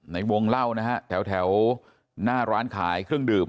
ในวงเล่านะฮะแถวหน้าร้านขายเครื่องดื่ม